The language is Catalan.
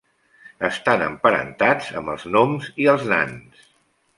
Estan emparentats amb els gnoms i els nans.